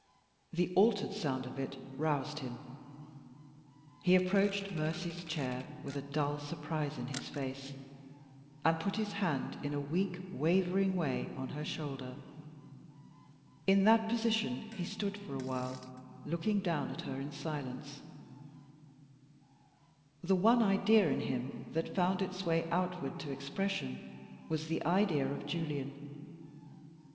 The altered sound of it roused him. He approached Mercy's chair, with a dull surprise in his face, and put his hand, in a weak, wavering way, on her shoulder. In that position he stood for a while, looking down at her in silence. The one idea in him that found its way outward to expression was the idea of Julian.